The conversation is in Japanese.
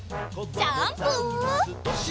ジャンプ！